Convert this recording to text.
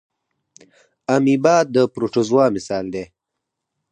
امیبا د پروټوزوا مثال دی